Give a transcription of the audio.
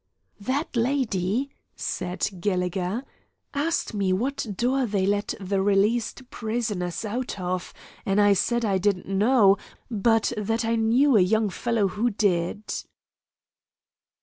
"That lady," said Gallegher, "asked me what door they let the released prisoners out of, an' I said I didn't know, but that I knew a young fellow who did."